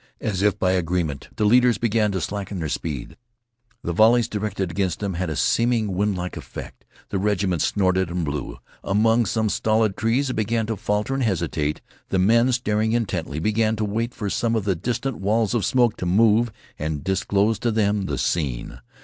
As if by agreement, the leaders began to slacken their speed. The volleys directed against them had had a seeming windlike effect. The regiment snorted and blew. Among some stolid trees it began to falter and hesitate. The men, staring intently, began to wait for some of the distant walls of smoke to move and disclose to them the scene.